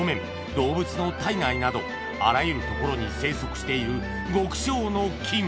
動物の体内などあらゆる所に生息している極小の菌